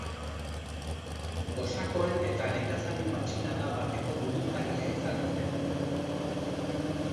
Kosakoen eta nekazari-matxinada bateko buruzagia izan zen.